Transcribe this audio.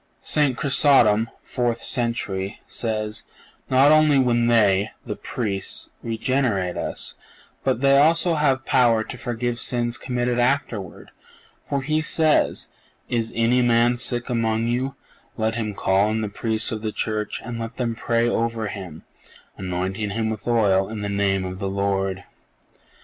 "(484) St. Chrysostom (fourth century) says: "Not only when they (the Priests) regenerate us, but they have also power to forgive sins committed afterward; for he says: 'Is any man sick among you; let him call in the Priests of the Church, and let them pray over him, anointing him with oil in the name of the Lord.